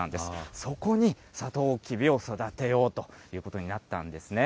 そこにさとうきびを育てようということになったんですね。